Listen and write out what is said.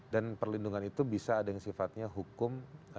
dan perlindungan itu bisa ada yang sifatnya hukum